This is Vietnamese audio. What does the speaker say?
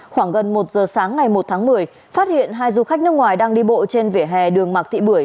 khoảng gần một giờ sáng ngày một tháng một mươi phát hiện hai du khách nước ngoài đang đi bộ trên vỉa hè đường mạc thị bưởi